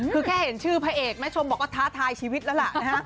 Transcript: คือแค่เห็นชื่อพระเอกแม่ชมบอกว่าท้าทายชีวิตแล้วล่ะนะฮะ